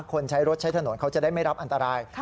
ใช้รถใช้ถนนเขาจะได้ไม่รับอันตราย